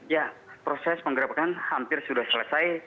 ya proses penggerebekan hampir sudah selesai